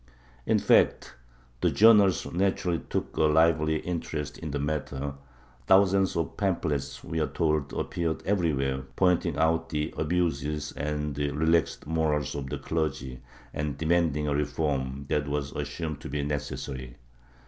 In fact, the journals naturally took a lively interest in the matter; thousands of pamphlets, we are told, appeared everywhere, pointing out the abuses and relaxed morals of the clergy and demanding a reform that was assumed to be necessary.